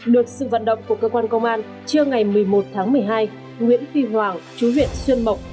được sự vận động của cơ quan công an trưa ngày một mươi một tháng một mươi hai nguyễn huy hoàng chú huyện xuyên mộc